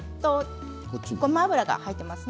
ごま油が入っていますね。